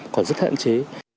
còn rất hạn chế